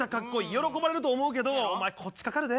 喜ばれると思うけどお前こっちかかるで。